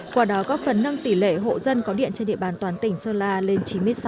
qua đó góp phấn nâng tỷ lệ hộ dân có điện trên địa bàn toàn tỉnh sơn la lên chín mươi sáu